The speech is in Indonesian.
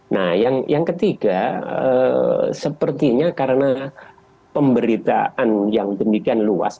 nah yang ketiga sepertinya karena pemberitaan yang demikian luas